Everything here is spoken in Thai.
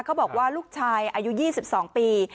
เขาบอกว่าลูกชายอายุ๒๒ปี